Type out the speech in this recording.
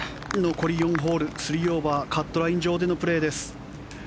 残り４ホール、３オーバーカットライン上でのプレーです。